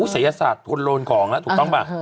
สายศาสตร์โหลโน้นกล่อออกแล้ว